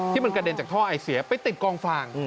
ที่มันกระเด็นจากท่อไอเสียไปติดกองฟาง